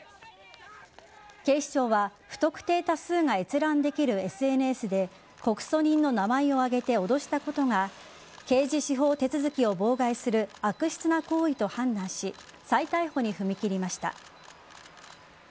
警視庁は不特定多数が閲覧できるＳＮＳで告訴人の名前を挙げて脅したことが刑事司法手続きを妨害する悪質な行為と判断し再逮捕に踏み切りました。